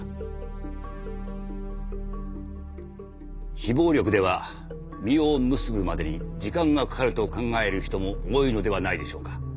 非暴力では実を結ぶまでに時間がかかると考える人も多いのではないでしょうか。